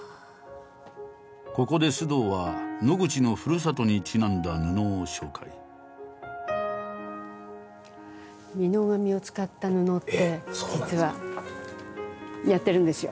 ここで須藤は野口のふるさとにちなんだ布を紹介。って実はやってるんですよ。